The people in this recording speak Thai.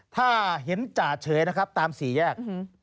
ถ้าเห็นจ่าเฉยนะครับตามสี่แยก